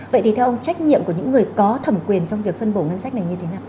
vậy thì theo ông trách nhiệm của những người có thẩm quyền trong việc phân bổ ngân sách này như thế nào